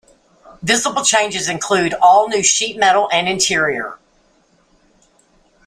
Visible changes include all new sheet metal and interior.